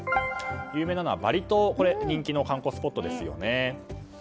有名なのはバリ島人気の観光スポットですよね。